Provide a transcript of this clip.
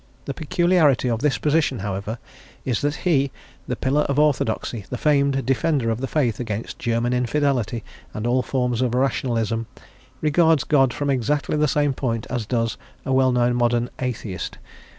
The peculiarity of this position, however, is that he, the pillar of orthodoxy, the famed defender of the faith against German infidelity and all forms of rationalism, regards God from exactly the same point as does a well known modern "atheist."